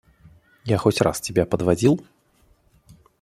Я хоть раз тебя подводил?